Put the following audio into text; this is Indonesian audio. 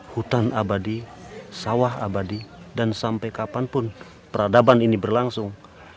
hutan abadi sawah abadi dan sampai kapanpun peradaban ini berlangsung